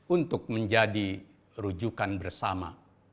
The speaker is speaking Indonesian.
untuk menjadi rujukan bersama